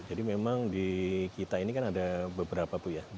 jadi memang di kita ini kan ada beberapa bu ya